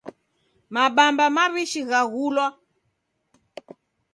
Mabamba mawishi ghaghulwa